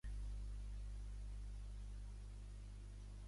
Barcelona es va omplint de llops de mar moderns